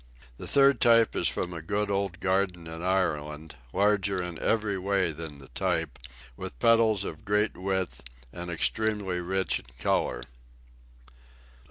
The third sort is from a good old garden in Ireland, larger in every way than the type, with petals of great width, and extremely rich in colour.